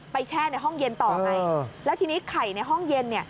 แช่ในห้องเย็นต่อไงแล้วทีนี้ไข่ในห้องเย็นเนี่ย